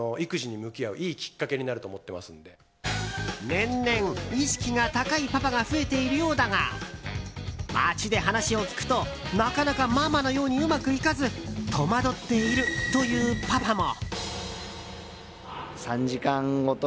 年々、意識が高いパパが増えているようだが街で話を聞くと、なかなかママのようにうまくいかず戸惑っているというパパも。